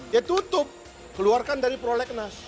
ya tutup keluarkan dari prolegnas